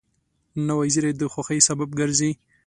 نوې زېری د خوښۍ سبب ګرځي